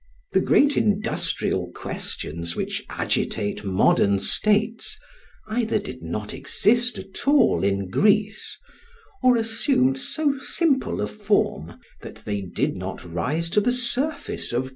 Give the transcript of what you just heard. The great industrial questions which agitate modern states either did not exist at all in Greece, or assumed so simple a form that they did not rise to the surface of political life.